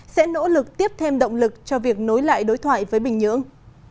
sẽ nỗ lực tiếp thêm động lực cho việc nối lại đối thoại với bình nhưỡng